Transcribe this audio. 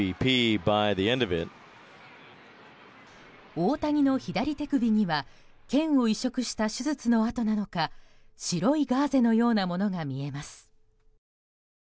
大谷の左手首には腱を移植した手術のあとなのか白いガーゼのようなものが見えます。